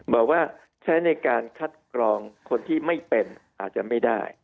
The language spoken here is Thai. บอกว่าใช้ในการคัดกรองคนที่ไม่เป็นอาจจะไม่ได้